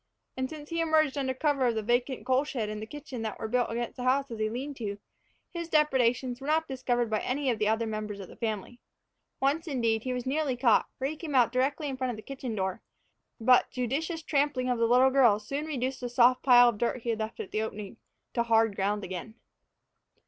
And since he emerged under cover of the vacant coal shed and kitchen that were built against the house as a lean to, his depredations were not discovered by any of the other members of the family. Once, indeed, he was nearly caught, for he came out directly in front of the kitchen door. But judicious trampling by the little girl soon reduced the soft pile of dirt he had left at the opening to hard ground again.